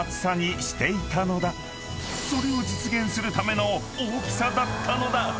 ［それを実現するための大きさだったのだ］